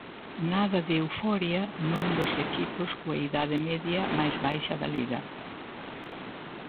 Nada de euforia nun dos equipos coa idade media máis baixa da Liga.